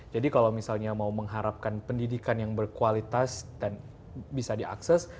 jadi kalau misalnya mau mengharapkan pendidikan yang berkualitas dan bisa diakses